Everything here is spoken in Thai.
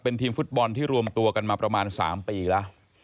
ทีมฟุตบอลที่รวมตัวกันมาประมาณ๓ปีแล้ว